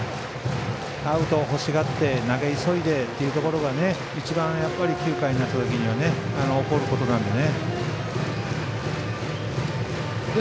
アウトを欲しがって投げ急いでというところが一番、９回になった時には起こることなので。